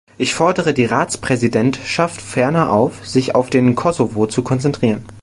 Ich fordere die Ratspräsidentschaft ferner auf, sich auf den Kosovo zu konzentrieren.